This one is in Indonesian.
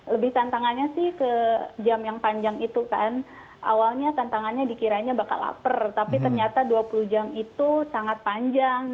lebih tantangannya sih ke jam yang panjang itu kan awalnya tantangannya dikiranya bakal lapar tapi ternyata dua puluh jam itu sangat panjang